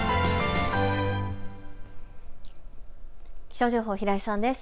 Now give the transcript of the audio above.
気象情報、平井さんです。